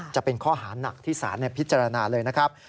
จะเป็นข้อหานักที่ศาลพิจารณาเลยนะครับ